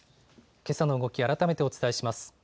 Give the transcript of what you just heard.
けさの動き、改めてお伝えします。